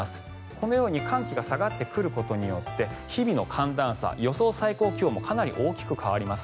このように寒気が下がることによって日々の寒暖差、予想最高気温もかなり大きく変わります。